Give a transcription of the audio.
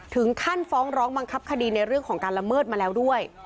ถึงขั้นฟ้องร้องบังคับคดีในเรื่องของการละเมิดมาแล้วด้วย